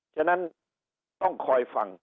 ฉะนั้นต้องคอยฟัง